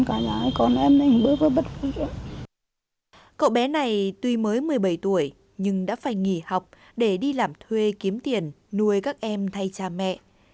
cậu bé này tuy mới một mươi bảy tuổi nhưng đã phải nghỉ học để đi làm thuê kiếm tiền nuôi các em thay cha mẹ